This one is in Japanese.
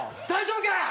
大丈夫か？